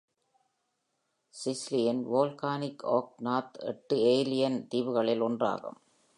சிசிலியின் volcanic arc north எட்டு Aeolian தீவுகளில் ஒன்றாகும்.